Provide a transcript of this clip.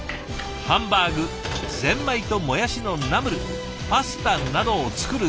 ハンバーグゼンマイともやしのナムルパスタなどを作る予定。